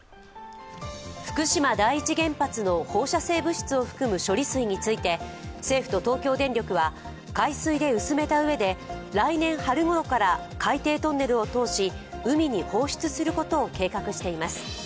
福島第一原発の放射性物質を含む処理水について、政府と東京電力は海水で薄めたうえで来年春頃から海底トンネルを通し海に放出することを計画しています。